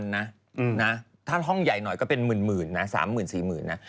๗๐๐๐๘๐๐๐นะถ้าห้องใหญ่หน่อยก็เป็นหมื่นนะ๓๐๐๐๐๔๐๐๐๐นะ